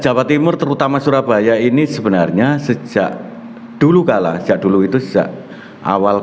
jawa timur terutama surabaya ini sebenarnya sejak dulu kalah sejak dulu itu sejak awal